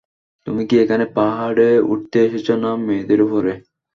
তুমি কি এখানে পাহাড়ে উঠতে এসেছ না মেয়েদের উপরে?